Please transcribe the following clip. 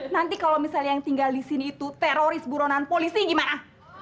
nanti kalau misalnya yang tinggal di sini itu teroris buronan polisi gimana